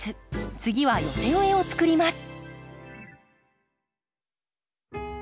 次は寄せ植えを作ります。